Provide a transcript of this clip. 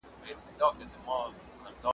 په یوه کتاب څوک نه ملا کېږي .